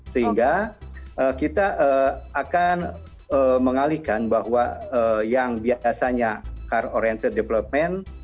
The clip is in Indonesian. sehingga kita akan mengalihkan bahwa yang biasanya car oriented development